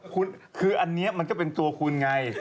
คุณคืออันนี้มันก็เป็นตัวคุณไง